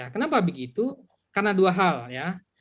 kenapa begitu karena dua hal ya